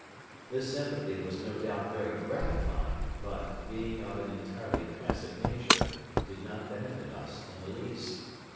This sympathy was no doubt very gratifying; but, being of an entirely passive nature, did not benefit us in the least.